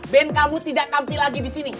band kamu tidak tampil lagi di sini